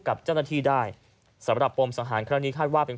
กับเจ้าหน้าที่ได้สำหรับปมสังหารครั้งนี้คาดว่าเป็น